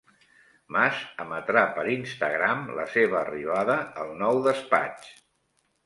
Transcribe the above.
Mas emetrà per Instagram la seva arribada al nou despatx